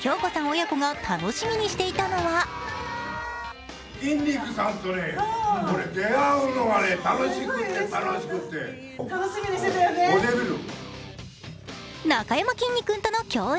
親子が楽しみにしていたのはなかやまきんに君との共演。